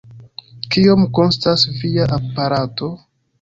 Kiom kostas via aparato?